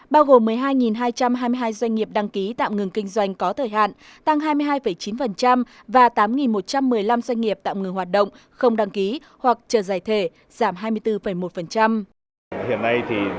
bao gồm một mươi hai hai trăm hai mươi hai doanh nghiệp đăng ký tạm ngừng kinh doanh có thời hạn tăng hai mươi hai chín và tám một trăm một mươi năm doanh nghiệp tạm ngừng hoạt động không đăng ký hoặc chờ giải thể giảm hai mươi bốn một